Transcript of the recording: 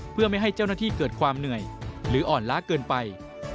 เพื่อไม่ให้เจ้าหน้าที่เกิดความเหนื่อยหรืออ่อนล้าเกินไป